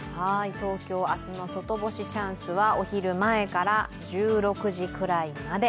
東京、明日の外干しチャンスはお昼前から１６時くらいまで。